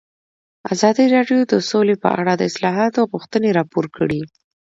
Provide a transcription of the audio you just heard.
ازادي راډیو د سوله په اړه د اصلاحاتو غوښتنې راپور کړې.